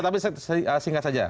tapi singkat saja